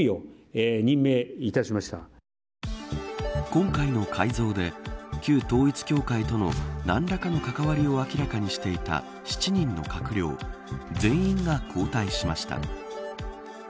今回の改造で旧統一教会との何らかの関わりを明らかにしていた７人の閣僚、全員が交代しました。